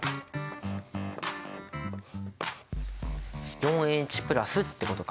４Ｈってことか。